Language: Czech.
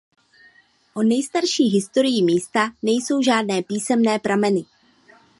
O nejstarší historii místa nejsou žádné písemné prameny.